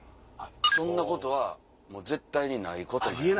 そんなことは絶対にないことなんやな。